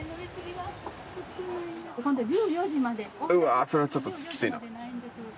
うわぁそれはちょっときついな。